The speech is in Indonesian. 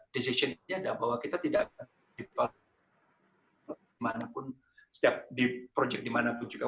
decisionnya ada bahwa kita tidak akan develop di mana pun di project di mana pun juga